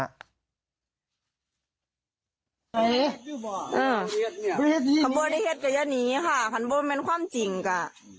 อ่าอืมอืมภรรยาเทศก็ยังนี้ค่ะภรรยาเทศมันความจริงก่ะ